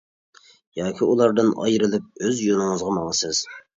ياكى ئۇلاردىن ئايرىلىپ، ئۆز يولىڭىزغا ماڭىسىز.